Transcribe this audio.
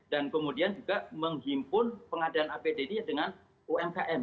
dan kemudian juga menghimpun pengadaan apd ini dengan umkm